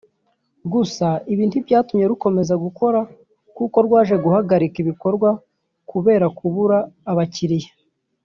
gusa ibi ntibyatumye rukomeza gukora kuko rwaje guhagarika ibikorwa kubera kubura abakiriya